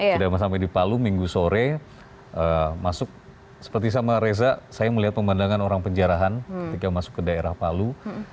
sudah sampai di palu minggu sore masuk seperti sama reza saya melihat pemandangan orang penjarahan ketika masuk ke daerah palu